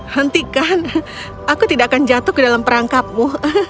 hentikan aku tidak akan jatuh ke dalam perangkapmu